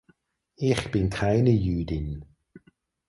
Ich bin keine Jüdin.